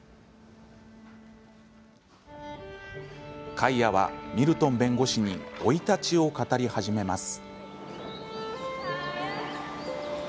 カイアはミルトン弁護士に生い立ちを語り始めます。